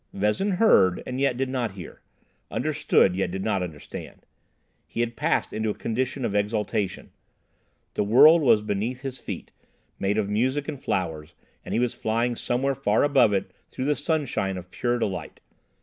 Vezin heard, and yet did not hear; understood, yet did not understand. He had passed into a condition of exaltation. The world was beneath his feet, made of music and flowers, and he was flying somewhere far above it through the sunshine of pure delight.